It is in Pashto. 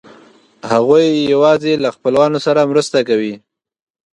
هغوی یواځې له خپلوانو سره مرسته کوي.